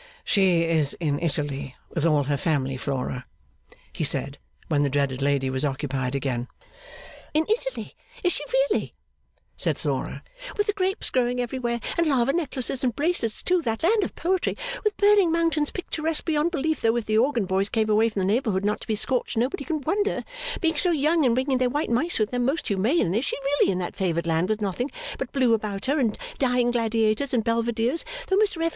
'She is in Italy, with all her family, Flora,' he said, when the dreaded lady was occupied again. 'In Italy is she really?' said Flora, 'with the grapes growing everywhere and lava necklaces and bracelets too that land of poetry with burning mountains picturesque beyond belief though if the organ boys come away from the neighbourhood not to be scorched nobody can wonder being so young and bringing their white mice with them most humane, and is she really in that favoured land with nothing but blue about her and dying gladiators and Belvederes though Mr F.